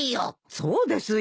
そうですよ。